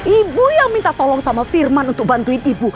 ibu yang minta tolong sama firman untuk bantuin ibu